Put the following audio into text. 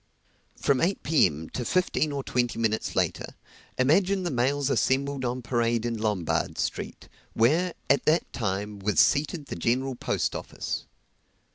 From eight, P.M. to fifteen or twenty minutes later, imagine the mails assembled on parade in Lombard Street, where, at that time, was seated the General Post Office.